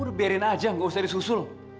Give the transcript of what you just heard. udah biarin aja nggak usah disusul